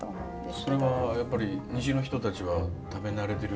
それはやっぱり西の人たちは食べ慣れてる？